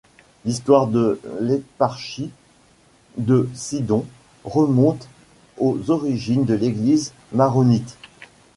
L'histoire de l'éparchie de Sidon remonte aux origines de l'Église maronite.